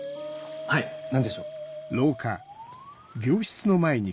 はい何でしょう？